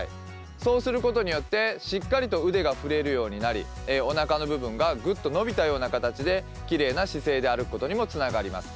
そうすることによってしっかりと腕が振れるようになりおなかの部分がグッと伸びたような形できれいな姿勢で歩くことにもつながります。